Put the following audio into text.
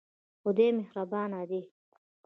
خدای مهربان دی